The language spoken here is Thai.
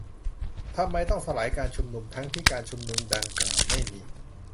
- ทำไมต้องสลายการชุมนุม ทั้งที่ การชุมนุมดังกล่าวไม่มี